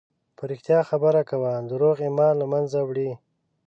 په رښتیا خبرې کوه، دروغ ایمان له منځه وړي.